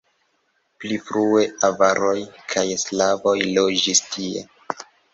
Pli frue avaroj kaj slavoj loĝis tie.